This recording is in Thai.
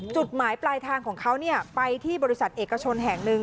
จุดหมายปลายทางของเขาไปที่บริษัทเอกชนแห่งหนึ่ง